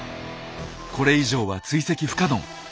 これ以上は追跡不可能。